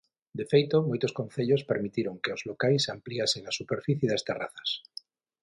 De feito, moitos concellos permitiron que os locais ampliasen a superficie das terrazas.